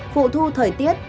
phụ thu thời tiết